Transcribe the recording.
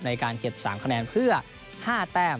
ในการเก็บ๓คะแนนเพื่อ๕แต้ม